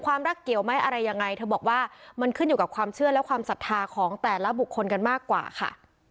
ว่ามันขึ้นอยู่กับความเชื่อและความศรัทธาของแต่ละบุคคลกันมากกว่าค่ะ